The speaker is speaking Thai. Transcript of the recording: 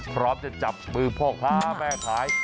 พร้อมจะจับมือพ่อค้าแม่ขาย